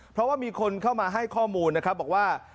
เพราะว่ามีคนเข้ามาให้ข้อมูลนะครับบอกว่า